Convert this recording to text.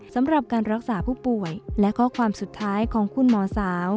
สำหรับการรักษาผู้ป่วยและข้อความสุดท้ายของคุณหมอสาว